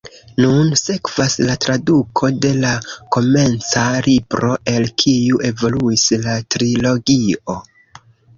Nun sekvas la traduko de la komenca libro, el kiu evoluis la trilogio.